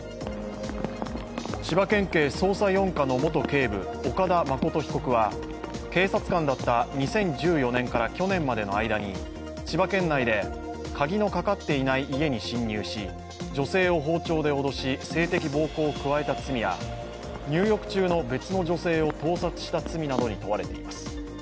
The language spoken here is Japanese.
千葉県警捜査４課の元警部、岡田誠被告は警察官だった２０１４年から去年までの間に千葉県内で鍵のかかっていない家に侵入し女性を包丁で脅し性的暴行を加えた罪や入浴中の別の女性を盗撮した罪などに問われています。